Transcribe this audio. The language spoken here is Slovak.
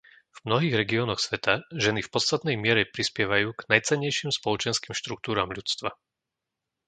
V mnohých regiónoch sveta ženy v podstatnej miere prispievajú k najcennejším spoločenským štruktúram ľudstva.